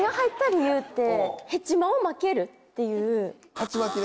ハチマキね？